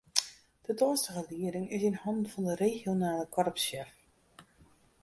De deistige lieding is yn hannen fan de regionale korpssjef.